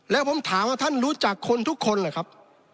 แล้วผมถามว่าท่านรู้จักคนทุกคนเหรอครับ